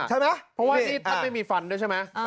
เพราะว่าที่นี่ท่านไม่มีฟันด้วยใช่ไหม